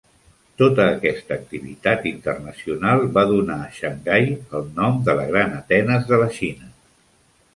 Tota aquesta activitat internacional va donar a Xangai el nom de "la gran Atenes de la Xina".